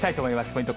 ポイント